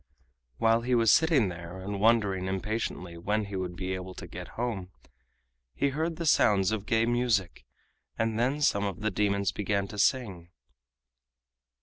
While he was sitting there and wondering impatiently when he would be able to get home, he heard the sounds of gay music, and then some of the demons began to sing.